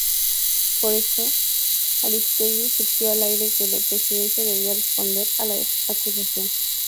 Por esto, Aristegui sugirió al aire que la Presidencia debía responder a la acusación.